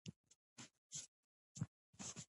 اوبه د وجود د ښکلا راز دي.